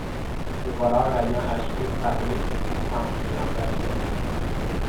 Le voleur ayant achevé de parler, il s'enfuit en blasphémant.